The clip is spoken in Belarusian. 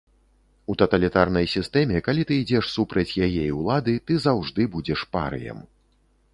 У таталітарнай сістэме, калі ты ідзеш супраць яе і ўлады, ты заўжды будзеш парыем.